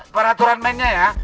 peraturan mainnya ya